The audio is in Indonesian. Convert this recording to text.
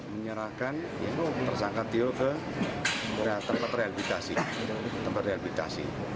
menyerahkan tersangka tio ke tempat rehabilitasi